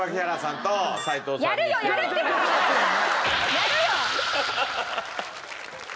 やるよ！